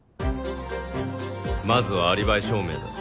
まずはアリバイ証明だ。